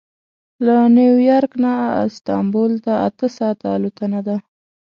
له نیویارک نه استانبول ته اته ساعته الوتنه ده.